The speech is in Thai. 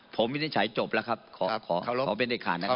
ผมวินิจฉัยจบแล้วครับขอเป็นเด็ดขาดนะครับ